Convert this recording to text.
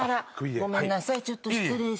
ごめんなさい。